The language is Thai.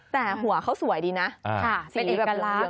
แต่หัวเขาสวยดีนะเป็นเอกลักษณ์